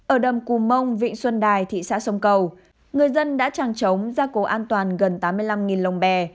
ở đầm cù mông vịnh xuân đài thị xã sông cầu người dân đã tràng trống ra cố an toàn gần tám mươi năm lồng bè